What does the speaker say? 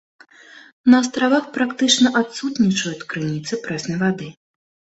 На астравах практычна адсутнічаюць крыніцы прэснай вады.